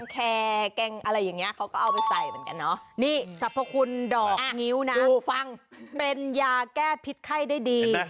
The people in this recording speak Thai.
แต่ก็รู้ว่ามันดี